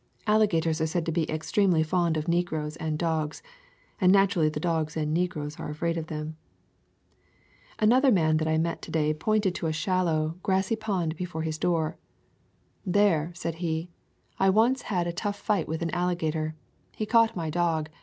Alligators are said to be ex tremely fond of negroes and dogs, and natu rally the dogs and negroes are afraid of them. : Another man that I met to day pointed to a [ 96 ] Florida Swamps and Forests shallow, grassy pond before his door. "There," said he, "I once had a tough fight with an alli gator. He caught my dog.